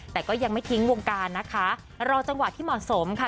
แต่ก็ยังไม่ทิ้งวงการนะคะรอจังหวะที่เหมาะสมค่ะ